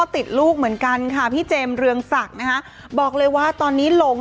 ติดลูกเหมือนกันค่ะพี่เจมส์เรืองศักดิ์นะคะบอกเลยว่าตอนนี้หลง